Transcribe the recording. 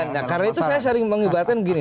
iya karena itu saya sering mengibarkan begini